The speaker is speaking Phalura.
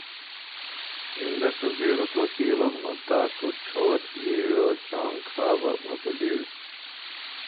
اِندہ توۡ بِیڈوۡ تروۡکِیلوۡ ہنوۡ تا توۡ چھوت، گِھیڑ، اوۡ چونگ کھا بہ بھکُلِیڑ